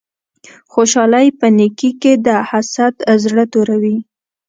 خوشحالی په نیکې کی ده حسد زړه توروی